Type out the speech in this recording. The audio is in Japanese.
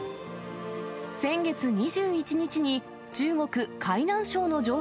先月２１日に、中国・海南省の上